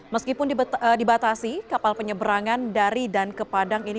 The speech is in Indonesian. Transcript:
meskipun dibatasi kapal penyeberangan dari dan ke padang ini